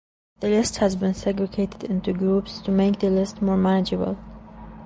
The list has been segregated into groups to make the list more manageable.